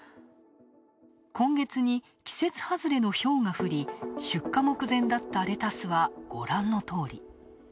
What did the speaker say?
今月に季節はずれのひょうが降り、出荷目前だったレタスはご覧のとおり。